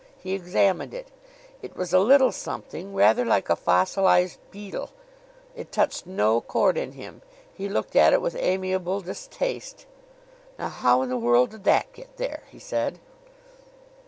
He examined it. It was a little something, rather like a fossilized beetle. It touched no chord in him. He looked at it with amiable distaste. "Now how in the world did that get there?" he said.